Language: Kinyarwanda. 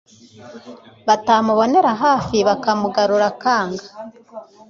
batamubonera hafi bakamugarura akanga